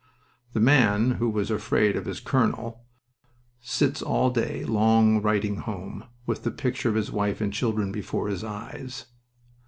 The man who was afraid of his colonel "sits all day long writing home, with the picture of his wife and children before his eyes."